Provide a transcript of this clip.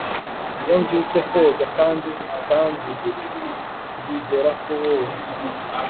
Iyo mbyutse koga kandi kandi ndizera ko wowe